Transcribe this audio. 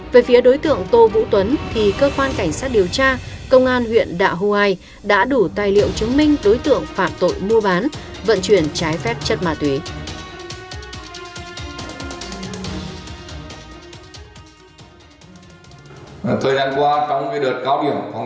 về phía đối tượng tô vũ tuấn thì cơ quan cảnh sát điều tra công an huyện đạ huai đã đủ tài liệu chứng minh đối tượng phạm tội mua bán vận chuyển trái phép chất ma túy